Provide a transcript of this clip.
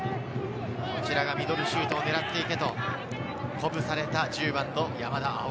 こちらがミドルシュートを狙っていけと鼓舞された１０番の山田蒼。